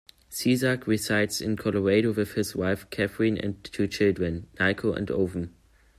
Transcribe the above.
Cesark resides in Colorado with his wife Katherine and two children, Niko and Owen.